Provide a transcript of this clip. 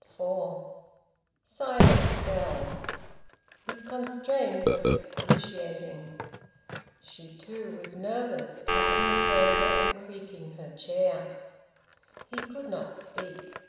FOUR. Silence fell. His constraint was excruciating. She too was nervous, tapping the table and creaking her chair. He could not speak.